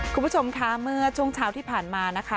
คุณผู้ชมคะเมื่อช่วงเช้าที่ผ่านมานะคะ